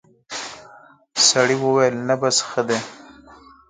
سړی وویل نبض ښه دی.